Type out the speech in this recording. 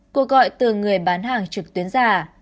cuộc gọi từ người bán hàng trực tuyến giả